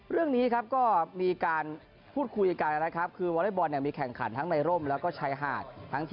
เรื่องนี้ก็มีการพูดคุยกัน